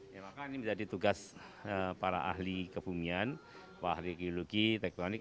ya maka ini menjadi tugas para ahli kebumian ahli geologi tektonik